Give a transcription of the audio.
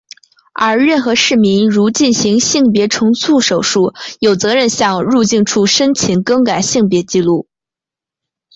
而任何市民如进行性别重塑手术有责任向入境处申请更改性别纪录。